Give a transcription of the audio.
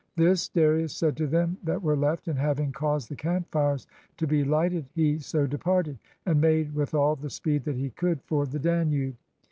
This Darius said to them that were left, and having caused the camp fires to be lighted he so departed, and made with all the speed that he could for the Danube.